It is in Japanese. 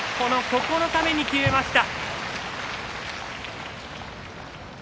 九日目で決めました。